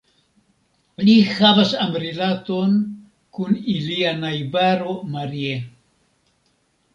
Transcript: Li havas amrilaton kun ilia najbaro Marie.